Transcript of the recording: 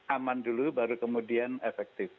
aman dulu baru kemudian efektif